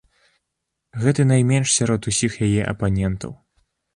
Гэты найменш сярод усіх яе апанентаў.